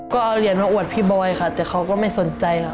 ก็เอาเหรียญมาอวดพี่บอยค่ะแต่เขาก็ไม่สนใจค่ะ